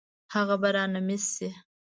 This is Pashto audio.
هغه به رانه مېس شي.